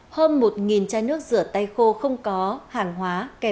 hôm một chai nước rửa tay khô không có hàng hóa